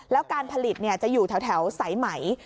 แล้วการผลิตจะอยู่แถวสายไหม